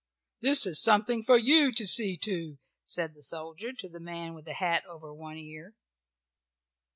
"This is something for you to see to," said the soldier to the man with the hat over one ear.